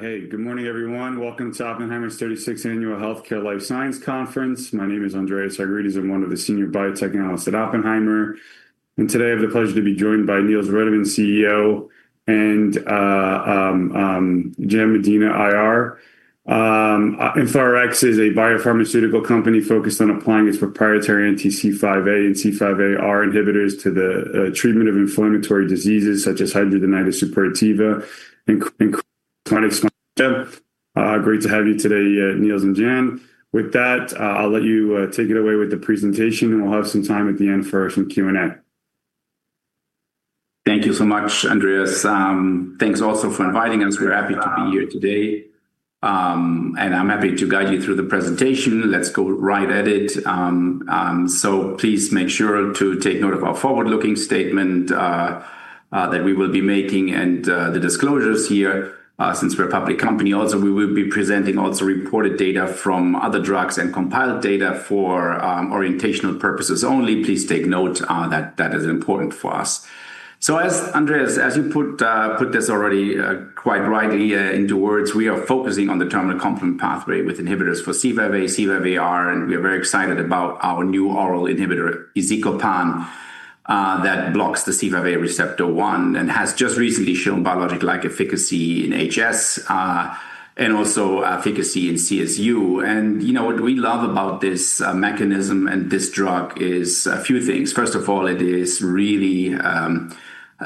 All right. Hey, good morning, everyone. Welcome to Oppenheimer's 36th Annual Healthcare Life Sciences Conference. My name is Andreas Argyrides. I'm one of the senior biotech analysts at Oppenheimer, and today I have the pleasure to be joined by Niels C. Riedemann, CEO, and Jan Medina, IR. InflaRx is a biopharmaceutical company focused on applying its proprietary anti-C5a and C5a inhibitors to the treatment of inflammatory diseases such as hidradenitis suppurativa and chronic. Great to have you today, Niels and Jan. With that, I'll let you take it away with the presentation, and we'll have some time at the end for some Q&A. Thank you so much, Andreas. Thanks also for inviting us. We're happy to be here today. I'm happy to guide you through the presentation. Let's go right at it. Please make sure to take note of our forward-looking statement that we will be making and the disclosures here, since we're a public company. We will be presenting also reported data from other drugs and compiled data for orientational purposes only. Please take note that that is important for us. As Andreas, as you put this already quite rightly into words, we are focusing on the terminal complement pathway with inhibitors for C5a, C5aAR, and we are very excited about our new oral inhibitor, izicopan, that blocks the C5a receptor 1, and has just recently shown biologic-like efficacy in HS and also efficacy in CSU. You know, what we love about this mechanism and this drug is a few things. First of all, it is really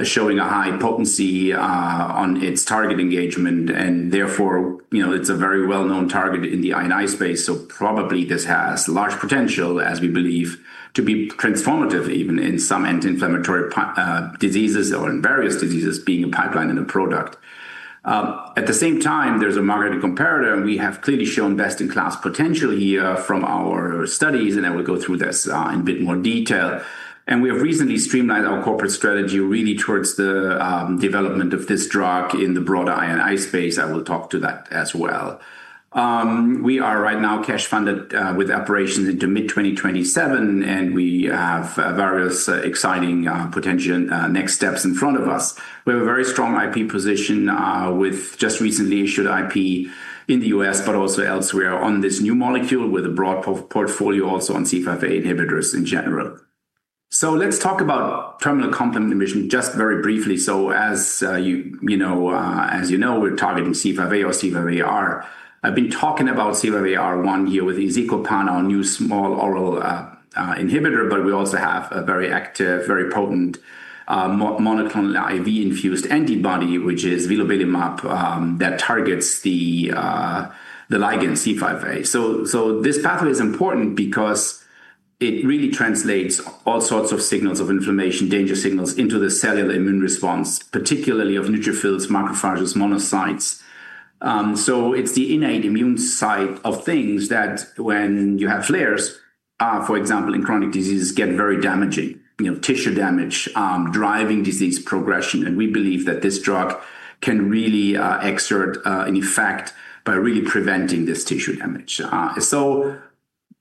showing a high potency on its target engagement, and therefore, you know, it's a very well-known target in the I&I space, so probably this has large potential, as we believe, to be transformative, even in some anti-inflammatory diseases or in various diseases, being a pipeline and a product. At the same time, there's a market comparator, and we have clearly shown best-in-class potential here from our studies, and I will go through this in a bit more detail. We have recently streamlined our corporate strategy really towards the development of this drug in the broader I&I space. I will talk to that as well. We are right now cash funded with operations into mid-2027, and we have various exciting potential next steps in front of us. We have a very strong I.P. position with just recently issued I.P. in the U.S., but also elsewhere on this new molecule with a broad portfolio, also on C5a inhibitors in general. Let's talk about terminal complement inhibition, just very briefly. As you know, we're targeting C5a or C5aR. I've been talking about C5aR1 here with izicopan, our new small oral inhibitor, but we also have a very active, very potent monoclonal IV-infused antibody, which is vilobelimab, that targets the ligand C5a. This pathway is important because it really translates all sorts of signals of inflammation, danger signals, into the cellular immune response, particularly of neutrophils, macrophages, monocytes. It's the innate immune side of things that when you have flares, for example, in chronic diseases, get very damaging, you know, tissue damage, driving disease progression. We believe that this drug can really exert an effect by really preventing this tissue damage.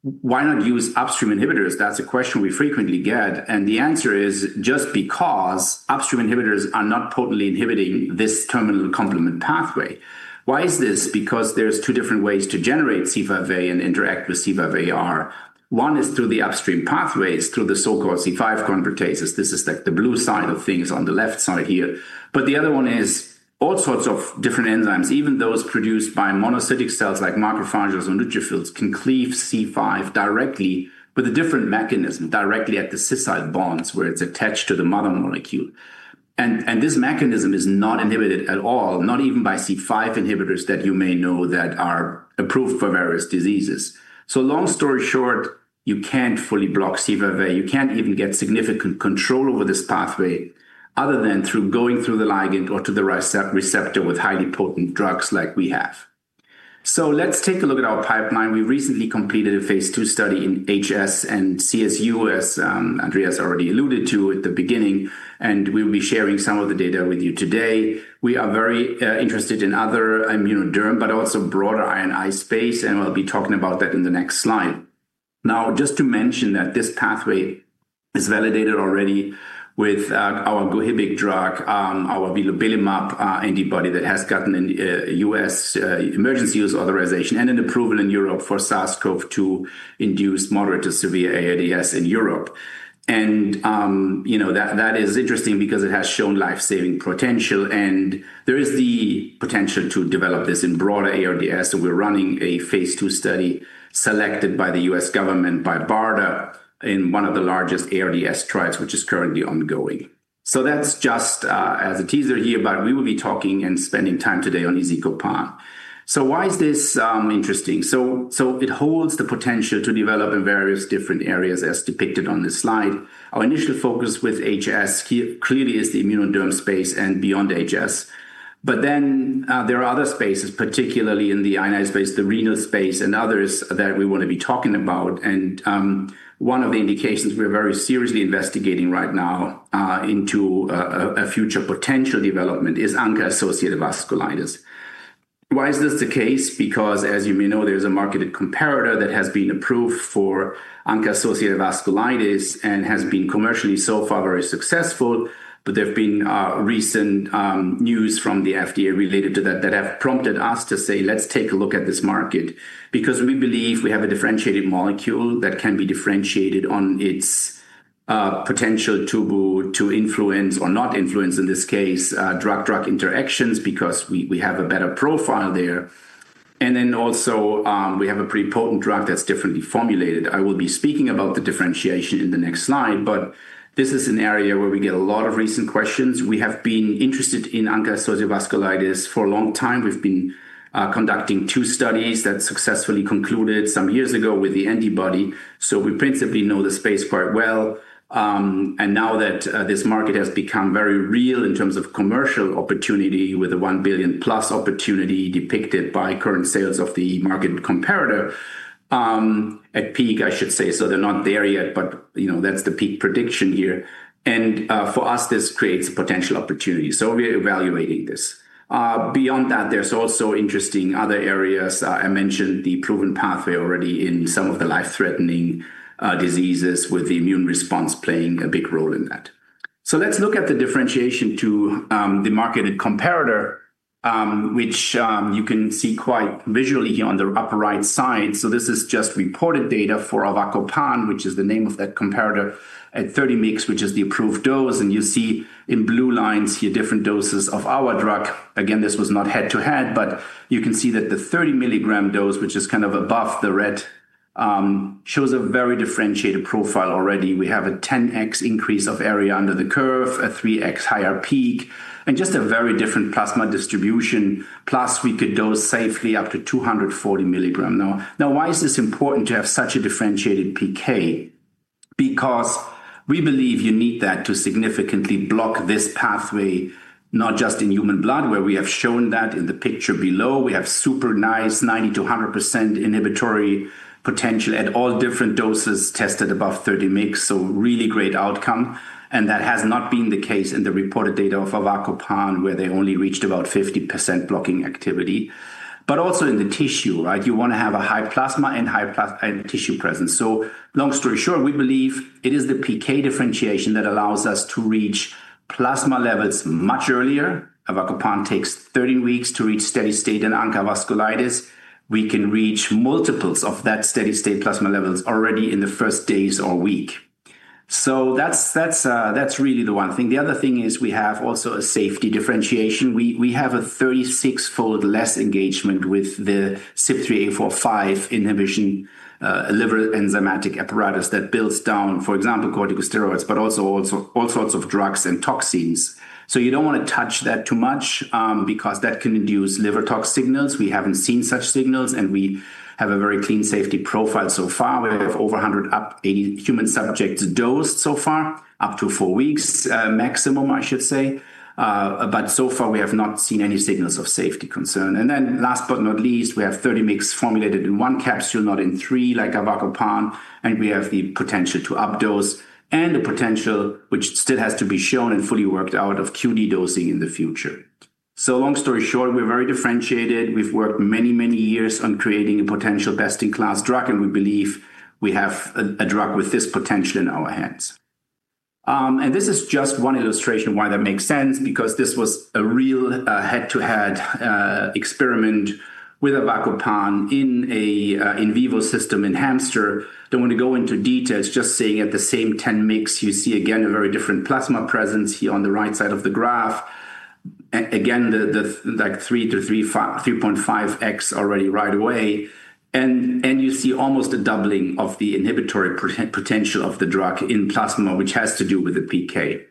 Why not use upstream inhibitors? That's a question we frequently get, and the answer is: just because upstream inhibitors are not potently inhibiting this terminal complement pathway. Why is this? Because there's two different ways to generate C5a and interact with C5aR. One is through the upstream pathways, through the so-called C5 convertases. This is like the blue side of things on the left side here. The other one is all sorts of different enzymes, even those produced by monocytic cells like macrophages and neutrophils, can cleave C5 directly with a different mechanism, directly at the cis side bonds, where it's attached to the mother molecule. This mechanism is not inhibited at all, not even by C5 inhibitors that you may know that are approved for various diseases. Long story short, you can't fully block C5a. You can't even get significant control over this pathway, other than through going through the ligand or to the receptor with highly potent drugs like we have. Let's take a look at our pipeline. We recently completed a phase II study in HS and CSU, as Andreas already alluded to at the beginning, and we'll be sharing some of the data with you today. We are very interested in other immuno-dermatology, but also broader I&I space, and we'll be talking about that in the next slide. Now, just to mention that this pathway is validated already with our Gohibic drug, our vilobelimab antibody that has gotten an U.S. Emergency Use Authorization and an approval in Europe for SARS-CoV-2-induced moderate to severe ARDS in Europe. You know, that is interesting because it has shown life-saving potential, and there is the potential to develop this in broader ARDS. We're running a phase II study selected by the U.S. government, by BARDA, in one of the largest ARDS trials, which is currently ongoing. That's just as a teaser here, but we will be talking and spending time today on izicopan. Why is this interesting? It holds the potential to develop in various different areas, as depicted on this slide. Our initial focus with HS here clearly is the immuno-dermatology space and beyond HS. There are other spaces, particularly in the I&I space, the renal space, and others that we want to be talking about. One of the indications we're very seriously investigating right now into a future potential development is ANCA-associated vasculitis. Why is this the case? Because as you may know, there's a marketed comparator that has been approved for ANCA-associated vasculitis and has been commercially so far very successful. There have been recent news from the FDA related to that have prompted us to say, "Let's take a look at this market." Because we believe we have a differentiated molecule that can be differentiated on its potential to influence or not influence, in this case, drug-drug interactions, because we have a better profile there. Also, we have a pretty potent drug that's differently formulated. I will be speaking about the differentiation in the next slide, but this is an area where we get a lot of recent questions. We have been interested in ANCA-associated vasculitis for a long time. We've been conducting two studies that successfully concluded some years ago with the antibody, so we principally know the space quite well. Now that this market has become very real in terms of commercial opportunity, with a $1 billion+ opportunity depicted by current sales of the market comparator, at peak, I should say. They're not there yet, but, you know, that's the peak prediction here. For us, this creates potential opportunities, we're evaluating this. Beyond that, there's also interesting other areas. I mentioned the proven pathway already in some of the life-threatening diseases, with the immune response playing a big role in that. Let's look at the differentiation to the marketed comparator, which you can see quite visually here on the upper right side. This is just reported data for avacopan, which is the name of that comparator, at 30 mg, which is the approved dose, and you see in blue lines here, different doses of our drug. Again, this was not head-to-head, but you can see that the 30 mg dose, which is kind of above the red, shows a very differentiated profile already. We have a 10x increase of area under the curve, a 3x higher peak, and just a very different plasma distribution. Plus, we could dose safely up to 240 mg. Now, why is this important to have such a differentiated PK? Because we believe you need that to significantly block this pathway, not just in human blood, where we have shown that in the picture below. We have super nice, 90%-100% inhibitory potential at all different doses tested above 30 mg, really great outcome. That has not been the case in the reported data of avacopan, where they only reached about 50% blocking activity. Also in the tissue, right? You wanna have a high plasma and high tissue presence. Long story short, we believe it is the PK differentiation that allows us to reach plasma levels much earlier. Avacopan takes 30 weeks to reach steady state in ANCA-associated vasculitis. We can reach multiples of that steady state plasma levels already in the first days or week. That's really the one thing. The other thing is we have also a safety differentiation. We have a 36-fold less engagement with the CYP3A4/5 inhibition, liver enzymatic apparatus that builds down, for example, corticosteroids, but also all sorts of drugs and toxins. You don't wanna touch that too much, because that can induce LiverTox signals. We haven't seen such signals, and we have a very clean safety profile so far. We have over 100 up, 80 human subjects dosed so far, up to four weeks, maximum, I should say. But so far, we have not seen any signals of safety concern. Last but not least, we have 30 mg formulated in one capsule, not in three, like avacopan, and we have the potential to up dose, and the potential, which still has to be shown and fully worked out, of QD dosing in the future. Long story short, we're very differentiated. We've worked many, many years on creating a potential best-in-class drug. We believe we have a drug with this potential in our hands. This is just one illustration of why that makes sense, because this was a real head-to-head experiment with avacopan in a in vivo system in hamster. Don't want to go into details, just saying at the same 10 mg, you see again, a very different plasma presence here on the right side of the graph. Again, the like 3.5x already right away, and you see almost a doubling of the inhibitory potential of the drug in plasma, which has to do with the PK.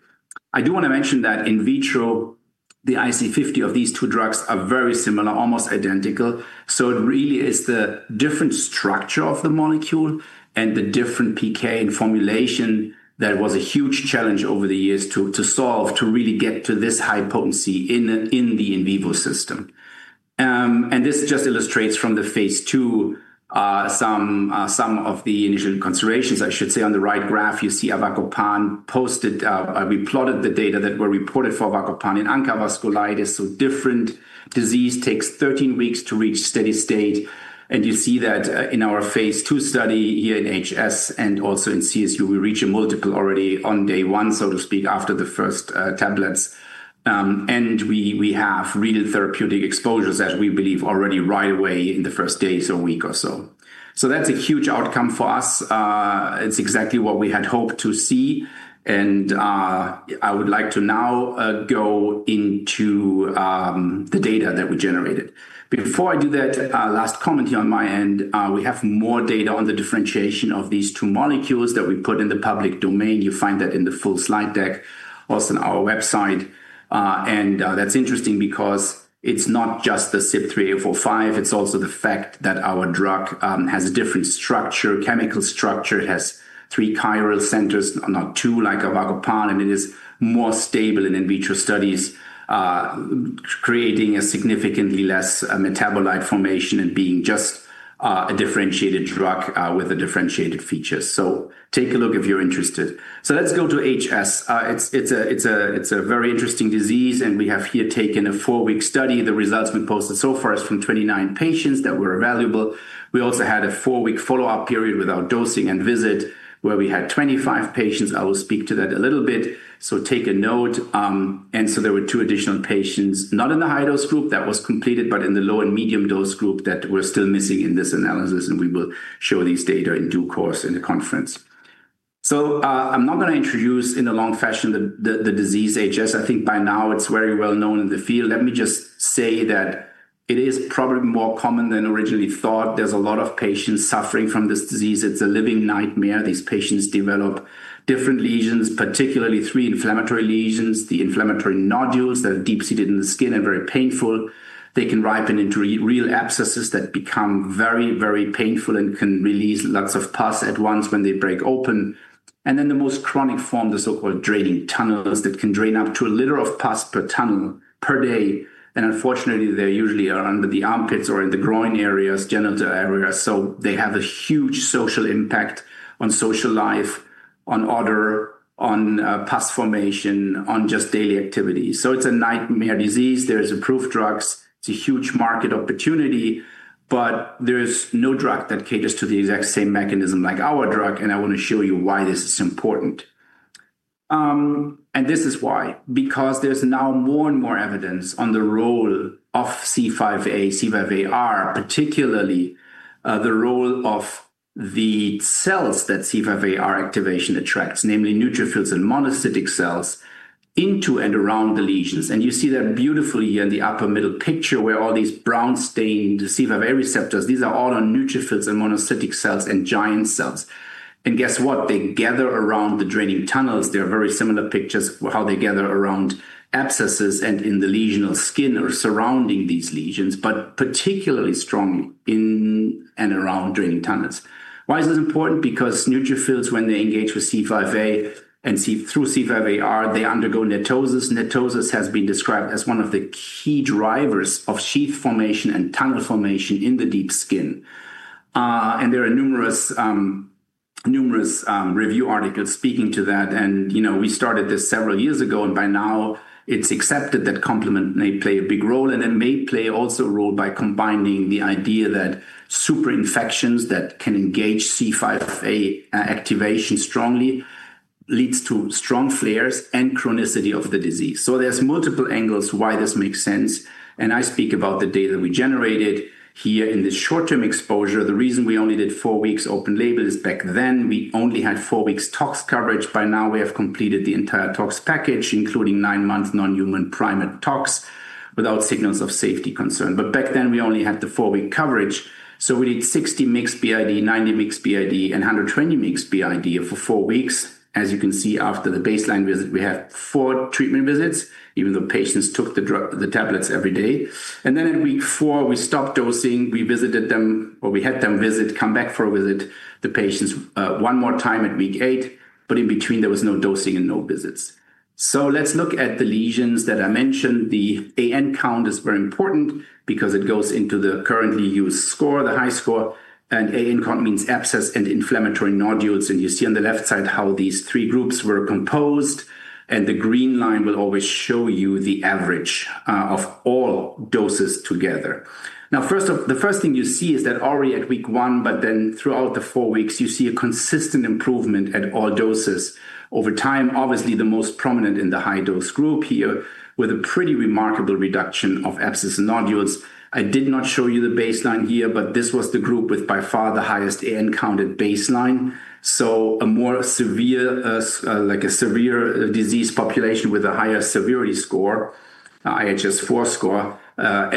I do wanna mention that in vitro, the IC50 of these two drugs are very similar, almost identical. It really is the different structure of the molecule and the different PK and formulation that was a huge challenge over the years to solve, to really get to this high potency in the in vivo system. This just illustrates from the phase II some of the initial considerations, I should say. On the right graph, you see avacopan posted, we plotted the data that were reported for avacopan in ANCA-associated vasculitis, so different disease takes 13 weeks to reach steady state, and you see that in our phase II study here in HS and also in CSU, we reach a multiple already on day 1, so to speak, after the first tablets. We have really therapeutic exposures as we believe already right away in the first days or week or so. That's a huge outcome for us. It's exactly what we had hoped to see, and I would like to now go into the data that we generated. Before I do that, last comment here on my end, we have more data on the differentiation of these two molecules that we put in the public domain. You'll find that in the full slide deck, also on our website. That's interesting because it's not just the CYP3A4/5, it's also the fact that our drug has a different structure, chemical structure. It has three chiral centers, not two, like avacopan, and it is more stable in in vitro studies, creating a significantly less metabolite formation and being a differentiated drug with a differentiated feature. Take a look if you're interested. Let's go to HS. It's a very interesting disease, and we have here taken a four-week study. The results we posted so far is from 29 patients that were evaluable. We also had a four-week follow-up period without dosing and visit, where we had 25 patients. I will speak to that a little bit, so take a note. There were two additional patients, not in the high-dose group that was completed, but in the low and medium-dose group that we're still missing in this analysis, and we will show these data in due course in the conference. I'm not gonna introduce in the long fashion the disease HS. I think by now it's very well known in the field. Let me just say that it is probably more common than originally thought. There's a lot of patients suffering from this disease. It's a living nightmare. These patients develop different lesions, particularly three inflammatory lesions, the inflammatory nodules that are deep-seated in the skin and very painful. They can ripen into real abscesses that become very painful and can release lots of pus at once when they break open. Then the most chronic form, the so-called draining tunnels, that can drain up to 1 liter of pus per tunnel per day, and unfortunately, they usually are under the armpits or in the groin areas, genital areas. They have a huge social impact on social life, on odor, on pus formation, on just daily activity. It's a nightmare disease. There's approved drugs. It's a huge market opportunity, there's no drug that caters to the exact same mechanism like our drug, and I want to show you why this is important. This is why. There's now more and more evidence on the role of C5a, C5aR, particularly, the role of the cells that C5aR activation attracts, namely neutrophils and monocytic cells, into and around the lesions. You see that beautifully here in the upper middle picture, where all these brown-stained C5a receptors, these are all on neutrophils and monocytic cells and giant cells. Guess what? They gather around the draining tunnels. They are very similar pictures, how they gather around abscesses and in the lesional skin or surrounding these lesions, but particularly strongly in and around draining tunnels. Why is this important? Neutrophils, when they engage with C5a through C5aR, they undergo NETosis. NETosis has been described as one of the key drivers of sheath formation and tunnel formation in the deep skin. There are numerous review articles speaking to that, and, you know, we started this several years ago, and by now it's accepted that complement may play a big role, and it may play also a role by combining the idea that super infections that can engage C5a activation strongly, leads to strong flares and chronicity of the disease. There's multiple angles why this makes sense, and I speak about the data we generated here in the short-term exposure. The reason we only did four weeks open label is back then, we only had four weeks tox coverage. By now, we have completed the entire tox package, including months months non-human primate tox, without signals of safety concern. Back then, we only had the four-week coverage, so we did 60 mixed BID, 90 mixed BID, and 120 mixed BID for four weeks. As you can see, after the baseline visit, we had four treatment visits, even though patients took the tablets every day. At week four, we stopped dosing. We visited them, or we had them come back for a visit, the patients, one more time at week eight. In between, there was no dosing and no visits. Let's look at the lesions that I mentioned. The AN count is very important because it goes into the currently used score, the high score, and AN count means abscess and inflammatory nodules. You see on the left side how these three groups were composed, the green line will always show you the average of all doses together. The first thing you see is that already at week one, throughout the four weeks, you see a consistent improvement at all doses over time. Obviously, the most prominent in the high-dose group here, with a pretty remarkable reduction of abscess and nodules. I did not show you the baseline here, this was the group with by far the highest AN count at baseline. A more severe, like a severe disease population with a higher severity score, HS 4 score, a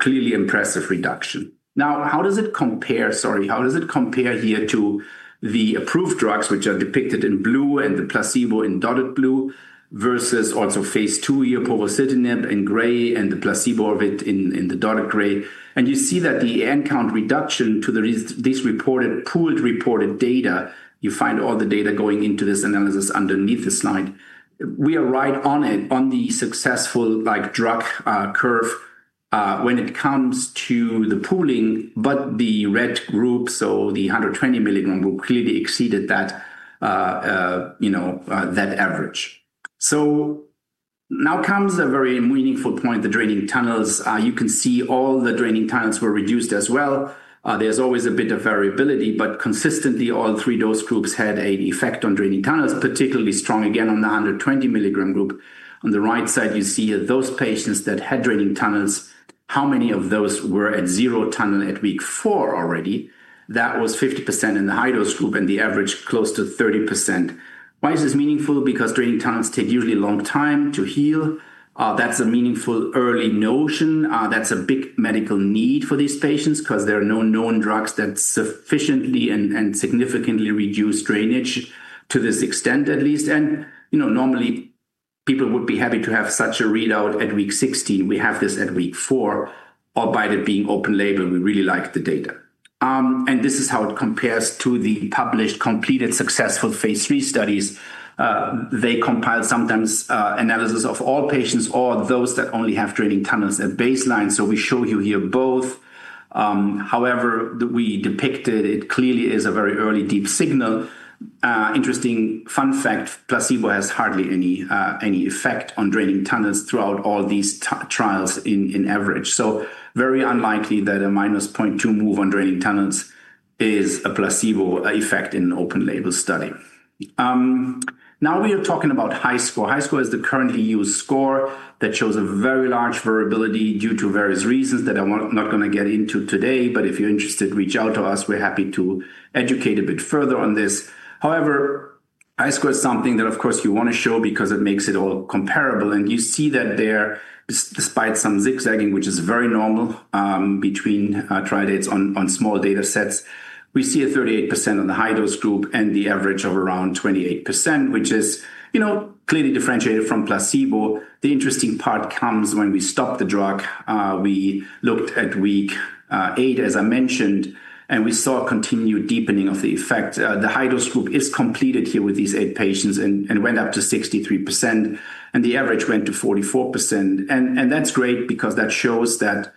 clearly impressive reduction. Now, how does it compare. Sorry, how does it compare here to the approved drugs, which are depicted in blue and the placebo in dotted blue, versus also phase II here, izicopan in gray and the placebo of it in the dotted gray? You see that the AN count reduction to this reported, pooled reported data, you find all the data going into this analysis underneath the slide. We are right on it, on the successful, like, drug curve, when it comes to the pooling, but the red group, so the 120 mg group, clearly exceeded that, you know, that average. Now comes a very meaningful point, the draining tunnels. You can see all the draining tunnels were reduced as well. There's always a bit of variability, but consistently, all three dose groups had a effect on draining tunnels, particularly strong, again, on the 120 mg group. On the right side, you see those patients that had draining tunnels, how many of those were at zero tunnel at week four already? That was 50% in the high-dose group, the average, close to 30%. Why is this meaningful? Draining tunnels take usually a long time to heal. That's a meaningful early notion. That's a big medical need for these patients 'cause there are no known drugs that sufficiently and significantly reduce drainage to this extent, at least. You know, normally, people would be happy to have such a readout at week 16. We have this at week four, by it being open label, we really like the data. This is how it compares to the published, completed, successful phase III studies. They compile sometimes analysis of all patients or those that only have draining tunnels at baseline, so we show you here both. However, that we depicted, it clearly is a very early deep signal. Interesting fun fact, placebo has hardly any any effect on draining tunnels throughout all these trials in average. So very unlikely that a -0.2 move on draining tunnels is a placebo effect in an open label study. Now we are talking about high score. High score is the currently used score that shows a very large variability due to various reasons that I'm not gonna get into today, but if you're interested, reach out to us. We're happy to educate a bit further on this. However, high score is something that, of course, you want to show because it makes it all comparable, and you see that there, despite some zigzagging, which is very normal, between tri dates on small data sets, we see a 38% on the high-dose group and the average of around 28%, which is, you know, clearly differentiated from placebo. The interesting part comes when we stop the drug. We looked at week eight, as I mentioned, and we saw a continued deepening of the effect. The high-dose group is completed here with these eight patients and went up to 63%, and the average went to 44%. That's great because that shows that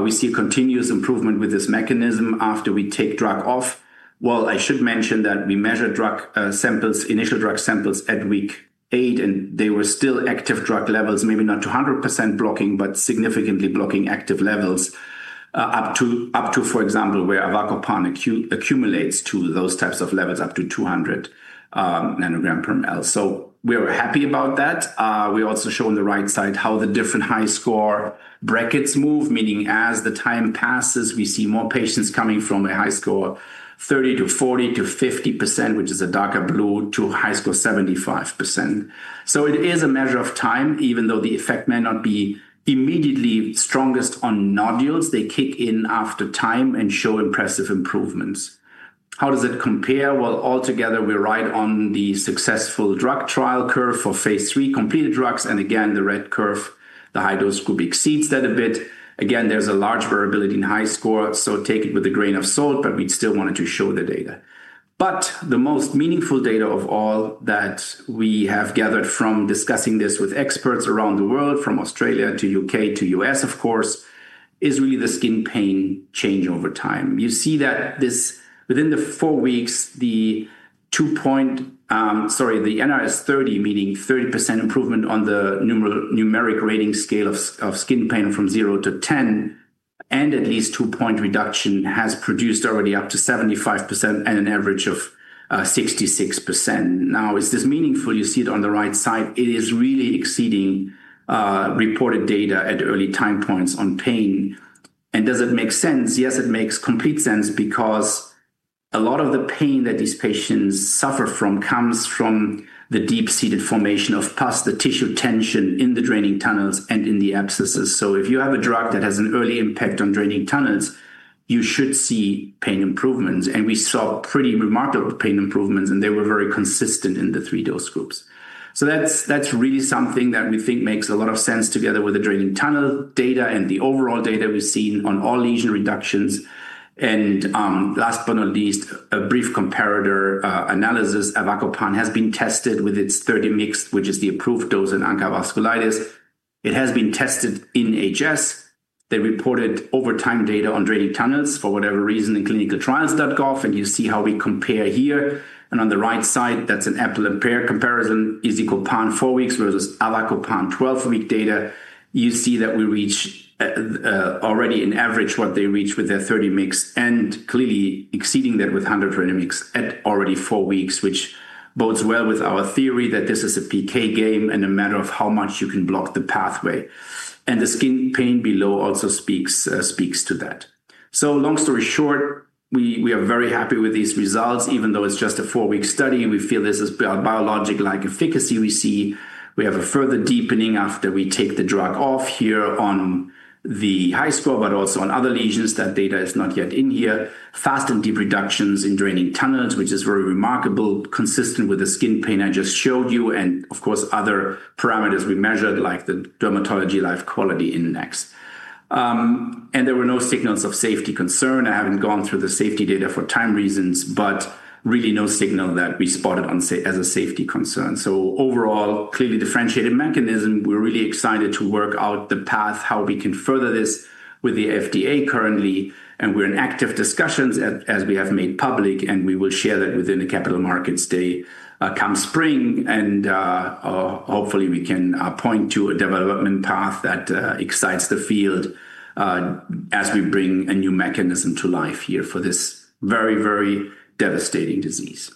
we see continuous improvement with this mechanism after we take drug off. I should mention that we measure drug samples, initial drug samples at week eight, and they were still active drug levels, maybe not 200% blocking, but significantly blocking active levels, up to, for example, where avacopan accumulates to those types of levels, up to 200 nanogram per ml. We are happy about that. We also show on the right side how the different high-score brackets move, meaning as the time passes, we see more patients coming from a high score, 30%-40%-50%, which is a darker blue, to high score, 75%. It is a measure of time. Even though the effect may not be immediately strongest on nodules, they kick in after time and show impressive improvements. How does it compare? Altogether, we're right on the successful drug trial curve for phase III completed drugs. Again, the red curve, the high-dose group exceeds that a bit. Again, there's a large variability in HiSCR, so take it with a grain of salt, but we still wanted to show the data. The most meaningful data of all that we have gathered from discussing this with experts around the world, from Australia to U.K. to U.S., of course, is really the skin pain change over time. You see that within the four weeks, the two-point, sorry, the NRS30, meaning 30% improvement on the numeric rating scale of skin pain from 0-10, and at least two-point reduction has produced already up to 75% and an average of 66%. Is this meaningful? You see it on the right side. It is really exceeding reported data at early time points on pain. Does it make sense? Yes, it makes complete sense because a lot of the pain that these patients suffer from comes from the deep-seated formation of pus, the tissue tension in the draining tunnels and in the abscesses. If you have a drug that has an early impact on draining tunnels, you should see pain improvements, and we saw pretty remarkable pain improvements, and they were very consistent in the three dose groups. That's really something that we think makes a lot of sense together with the draining tunnel data and the overall data we've seen on all lesion reductions. Last but not least, a brief comparator analysis. Avacopan has been tested with its 30 mix, which is the approved dose in ANCA vasculitis. It has been tested in HS. They reported over time data on draining tunnels for whatever reason in ClinicalTrials.gov. You see how we compare here. On the right side, that's an apple and pear comparison, is izicopan four weeks versus avacopan 12-week data. You see that we reach already in average what they reach with their 30 mix. Clearly exceeding that with 120 mix at already four weeks, which bodes well with our theory that this is a PK game and a matter of how much you can block the pathway. The skin pain below also speaks to that. Long story short, we are very happy with these results. Even though it's just a four-week study, we feel this is biologic-like efficacy we see. We have a further deepening after we take the drug off here on the HiSCR, but also on other lesions. That data is not yet in here. Fast and deep reductions in draining tunnels, which is very remarkable, consistent with the skin pain I just showed you, and of course, other parameters we measured, like the Dermatology Life Quality Index. There were no signals of safety concern. I haven't gone through the safety data for time reasons, but really no signal that we spotted as a safety concern. Overall, clearly differentiated mechanism. We're really excited to work out the path, how we can further this with the FDA currently, and we're in active discussions as we have made public, and we will share that within the Capital Markets Day, come spring, and hopefully, we can point to a development path that excites the field as we bring a new mechanism to life here for this very, very devastating disease.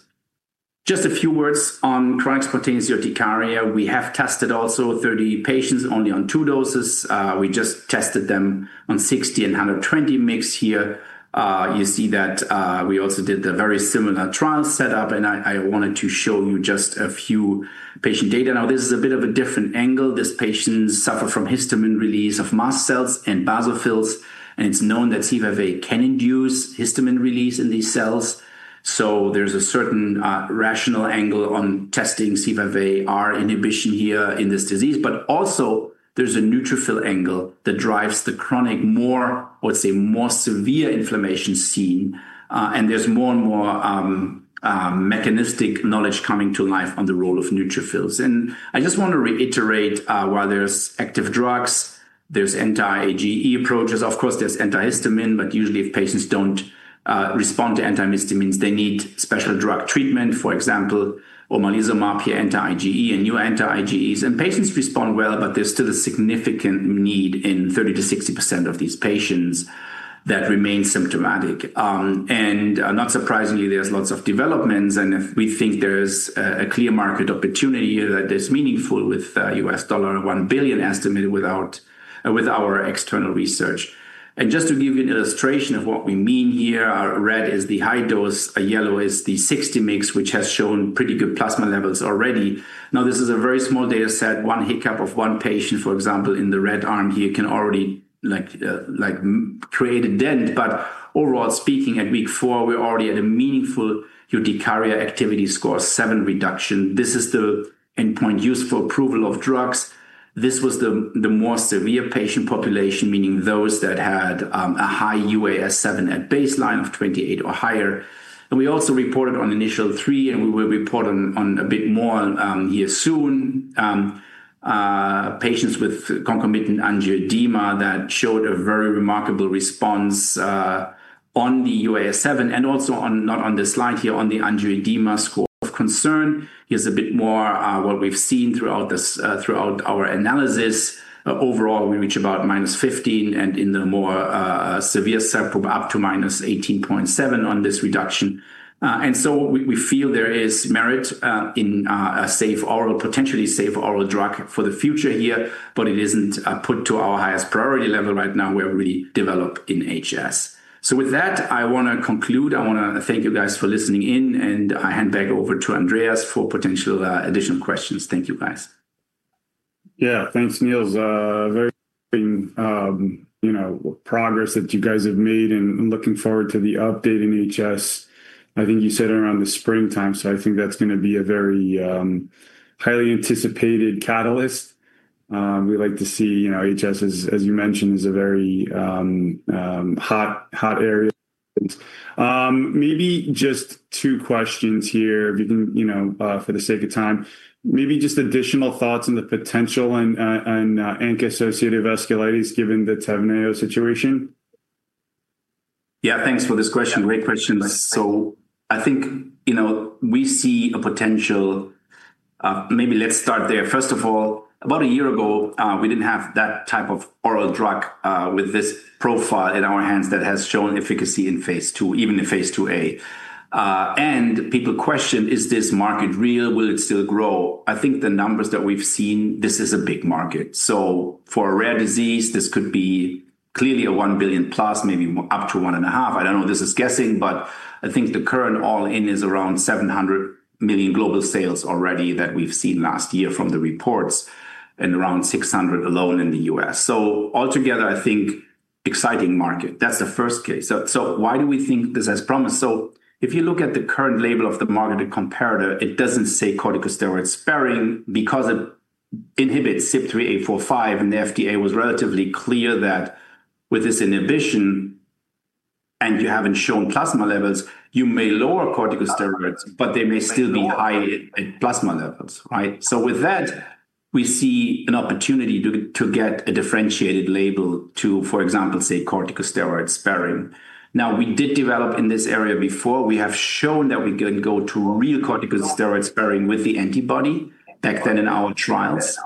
Just a few words on Chronic Spontaneous Urticaria. We have tested also 30 patients only on two doses. We just tested them on 60 and 120 mix here. You see that, we also did a very similar trial setup, and I wanted to show you just a few patient data. This is a bit of a different angle. These patients suffer from histamine release of mast cells and basophils, and it's known that TVV can induce histamine release in these cells. There's a certain rational angle on testing C5aR inhibition here in this disease, but also there's a neutrophil angle that drives the chronic more, let's say, more severe inflammation scene. There's more and more mechanistic knowledge coming to life on the role of neutrophils. I just want to reiterate, while there's active drugs, there's anti-IgE approaches. Of course, there's antihistamine, but usually, if patients don't respond to antihistamines, they need special drug treatment. For example, omalizumab, anti-IgE, and new anti-IgEs, and patients respond well, but there's still a significant need in 30%-60% of these patients that remain symptomatic. Not surprisingly, there's lots of developments, and if we think there's a clear market opportunity here, that is meaningful with $1 billion estimated with our external research. Just to give you an illustration of what we mean here, our red is the high dose, yellow is the 60 mix, which has shown pretty good plasma levels already. Now, this is a very small dataset. One hiccup of one patient, for example, in the red arm here, can already like create a dent. Overall speaking, at week four, we're already at a meaningful Urticaria Activity Score 7 reduction. This is the endpoint used for approval of drugs. This was the more severe patient population, meaning those that had a high UAS7 at baseline of 28 or higher. We also reported on initial three, and we will report on a bit more here soon. Patients with concomitant angioedema that showed a very remarkable response on the UAS7, and also not on the slide here, on the angioedema score of concern. Here's a bit more what we've seen throughout our analysis. Overall, we reach about -15, and in the more severe subgroup, up to -18.7 on this reduction. We feel there is merit in a potentially safe oral drug for the future here, but it isn't put to our highest priority level right now, where we develop in HS. With that, I want to conclude. I want to thank you guys for listening in, and I hand back over to Andreas for potential additional questions. Thank you, guys. Yeah. Thanks, Nils. Very, you know, progress that you guys have made, and I'm looking forward to the update in HS. I think you said around the springtime, so I think that's gonna be a very highly anticipated catalyst. We like to see, you know, HS, as you mentioned, is a very hot area. Maybe just two questions here. If you can, you know, for the sake of time, maybe just additional thoughts on the potential in ANCA-associated vasculitis, given the Tavneos situation. Yeah, thanks for this question. Great question. I think, you know, we see a potential. Maybe let's start there. First of all, about a year ago, we didn't have that type of oral drug with this profile in our hands that has shown efficacy in phase II, even in phase IIa. People question: Is this market real? Will it still grow? I think the numbers that we've seen, this is a big market. For a rare disease, this could be clearly a $1 billion+, maybe up to one and a half. I don't know, this is guessing, but I think the current all-in is around $700 million global sales already that we've seen last year from the reports, and around $600 million alone in the U.S. Altogether, I think exciting market. That's the first case. Why do we think this has promise? If you look at the current label of the marketed comparator, it doesn't say corticosteroid-sparing because it inhibits CYP3A4/5, and the FDA was relatively clear that with this inhibition, and you haven't shown plasma levels, you may lower corticosteroids, but they may still be high in plasma levels, right? With that, we see an opportunity to get a differentiated label to, for example, say corticosteroid-sparing. We did develop in this area before. We have shown that we can go to real corticosteroid-sparing with the antibody. Back then, in our trials,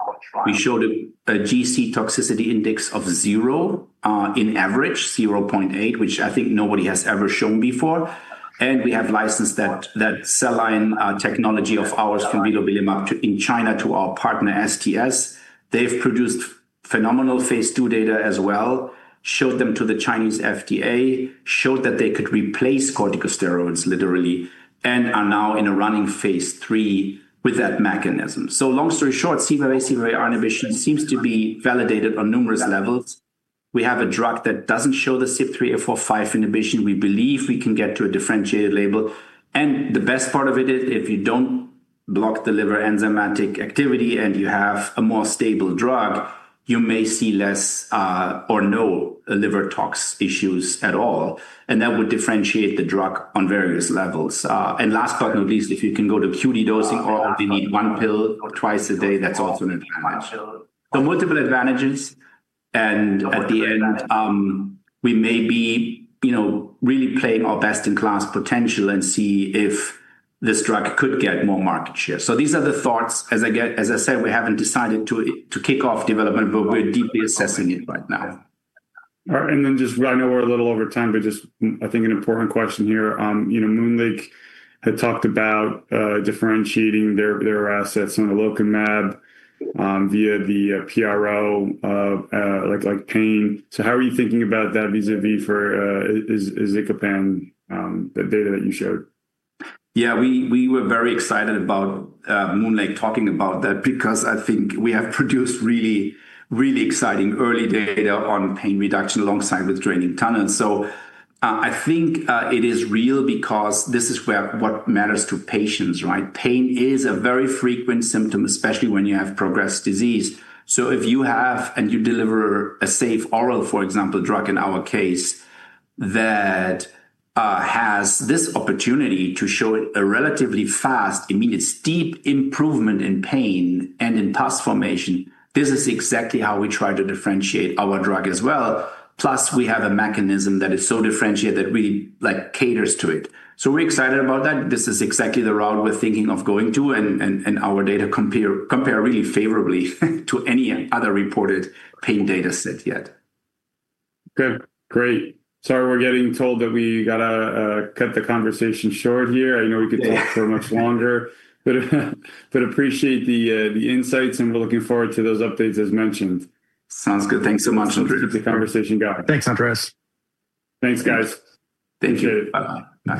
we showed a GC toxicity index of zero in average, 0.8, which I think nobody has ever shown before. We have licensed that cell line technology of ours from in China to our partner, STS. They've produced phenomenal phase II data as well, showed them to the Chinese FDA, showed that they could replace corticosteroids literally, and are now in a running phase III with that mechanism. Long story short, C5AC inhibition seems to be validated on numerous levels. We have a drug that doesn't show the CYP345 inhibition. We believe we can get to a differentiated label, and the best part of it is, if you don't block the liver enzymatic activity and you have a more stable drug, you may see less, or no LiverTox issues at all, and that would differentiate the drug on various levels. Last but not least, if you can go to QD dosing or only need one pill or twice a day, that's also an advantage. Multiple advantages, and at the end, we may be, you know, really playing our best-in-class potential and see if this drug could get more market share. These are the thoughts. As I said, we haven't decided to kick off development, but we're deeply assessing it right now. All right. I know we're a little over time, but just, I think, an important question here. you know, MoonLake Immunotherapeutics had talked about differentiating their assets on the sonelokimab via the PRO, like pain. How are you thinking about that vis-a-vis for izicopan, the data that you showed? We were very excited about MoonLake Immunotherapeutics talking about that because I think we have produced really, really exciting early data on pain reduction alongside with draining tunnels. I think it is real because this is what matters to patients, right? Pain is a very frequent symptom, especially when you have progressed disease. If you have and you deliver a safe oral, for example, drug, in our case, that has this opportunity to show it a relatively fast, immediate, steep improvement in pain and in pus formation, this is exactly how we try to differentiate our drug as well. We have a mechanism that is so differentiated that we, like, caters to it. We're excited about that. This is exactly the route we're thinking of going to, and our data compare really favorably to any other reported pain dataset yet. Good. Great. Sorry, we're getting told that we gotta cut the conversation short here. I know we could talk for much longer, but appreciate the insights, and we're looking forward to those updates, as mentioned. Sounds good. Thanks so much, Andreas. Keep the conversation going. Thanks, Andreas. Thanks, guys. Thank you. Bye-bye. Bye.